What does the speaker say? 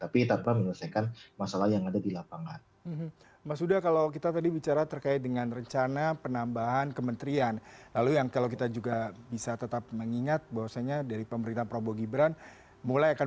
pemirsa pemerintahan prabowo gibran